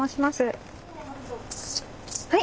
はい！